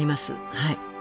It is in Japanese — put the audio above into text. はい。